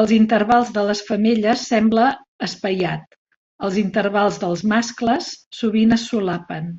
Els intervals de les femelles sembla espaiat; els intervals dels mascles sovint es solapen.